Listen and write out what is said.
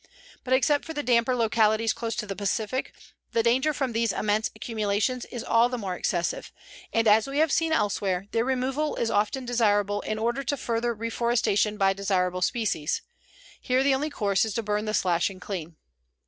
But except for the damper localities close to the Pacific, the danger from these immense accumulations is all the more excessive and, as we have seen elsewhere, their removal is often desirable in order to further reforestation by desirable species. Here the only course is to burn the slashing clean.